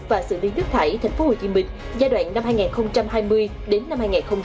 và xử lý nước thải tp hcm giai đoạn năm hai nghìn hai mươi đến năm hai nghìn ba mươi